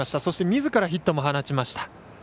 そしてみずからヒットも放ちました。